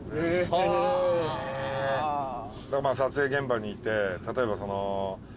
撮影現場にいて例えばその。